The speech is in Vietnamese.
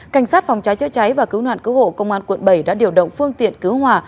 cảnh sát phòng cháy chữa cháy và cứu nạn cứu hộ công an quận bảy đã điều động phương tiện cứu hòa